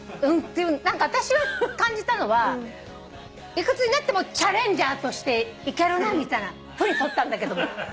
何か私が感じたのはいくつになってもチャレンジャーとしていけるなみたいなふうにとったんだけども。